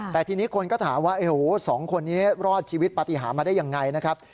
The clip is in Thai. แต่ทีนี้คนก็ถามว่าโอ้โหสองคนนี้รอดชีวิตปฏิหารมาได้ยังไงนะครับ